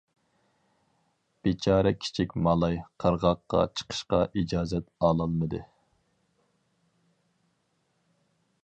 بىچارە كىچىك مالاي قىرغاققا چىقىشقا ئىجازەت ئالالمىدى.